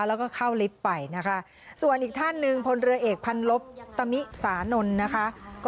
แล้วก็เข้าลิฟต์ไปนะคะส่วนอีกท่านหนึ่งพลเรือเอกพันลบตมิสานนท์นะคะ